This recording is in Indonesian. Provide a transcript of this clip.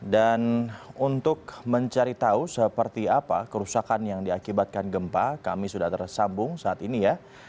dan untuk mencari tahu seperti apa kerusakan yang diakibatkan gempa kami sudah tersambung saat ini ya